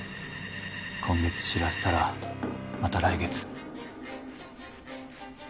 今月知らせたらまた来月